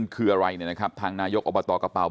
คืออะไรทางนายกโอปอตอกระเป๋า